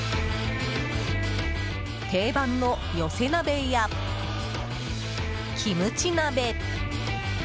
定番の寄せ鍋や、キムチ鍋